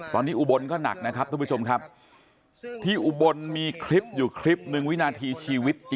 ตอนนี้อุบลก็หนักนะครับทุกผู้ชมครับที่อุบลมีคลิปอยู่คลิปหนึ่งวินาทีชีวิต